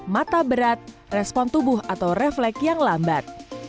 mata berat respon tubuh atau refleks yang lambat